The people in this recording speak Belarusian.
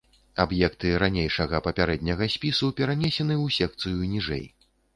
Аб'екты ранейшага папярэдняга спісу перанесены ў секцыю ніжэй.